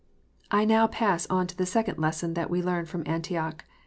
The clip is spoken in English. I now pass on to the second lesson that we learn from Antioch.